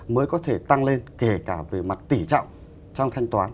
mới có thể tăng lên kể cả về mặt tỉ trọng trong thanh toán